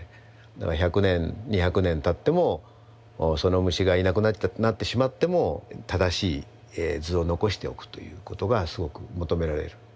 だから１００年２００年たってもその虫がいなくなってしまっても正しい図を残しておくということがすごく求められる。